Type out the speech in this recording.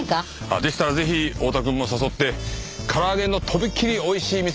でしたらぜひ太田くんも誘ってから揚げのとびきりおいしい店でお願いします。